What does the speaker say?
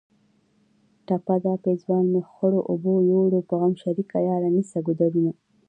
ټپه ده: پېزوان مې خړو اوبو یوړ په غم شریکه یاره نیسه ګودرونه